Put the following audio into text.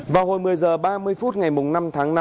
vào hồi một mươi h ba mươi phút ngày năm tháng năm